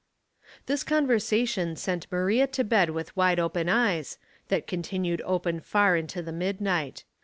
This conversation sent ^laria to bed with wide open eyes, that continued open far into the midnight.